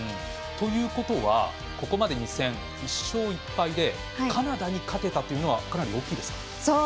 ということはここまで２戦１勝１敗でカナダに勝てたというのはかなり大きいですか。